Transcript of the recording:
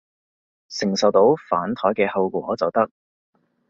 承受到反枱嘅後果就得